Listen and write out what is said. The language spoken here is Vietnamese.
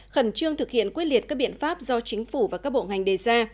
khẩn trương thực hiện quyết liệt các biện pháp do chính phủ và các bộ ngành đề ra